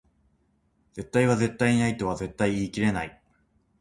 絶対は絶対にないとは絶対言い切れない